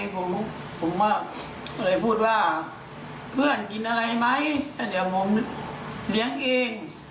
ผมผมก็เลยพูดว่าเพื่อนกินอะไรไหมก็เดี๋ยวผมเลี้ยงเอง